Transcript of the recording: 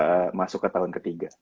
udah masuk ke tahun ke tiga